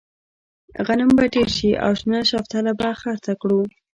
غنم به ډېر شي او شنه شفتله به خرڅه کړو.